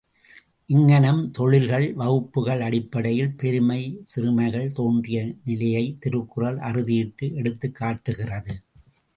இங்ஙணம் தொழில்கள், வகுப்புக்கள் அடிப்படையில் பெருமை சிறுமைகள் தோன்றிய நிலையை, திருக்குறள் அறுதியிட்டு எடுத்துக்காட்டுகிறது.